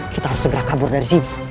kita harus segera kabur dari sini